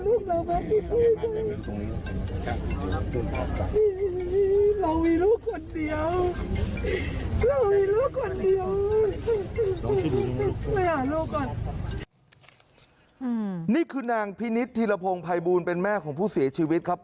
นะนี่คือนางพิณิชย์ทีระโพงไพลบูนเป็นแม่ของผู้เสียชีวิตครับ